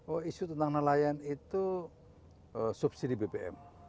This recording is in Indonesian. oh isu tentang nelayan itu subsidi bbm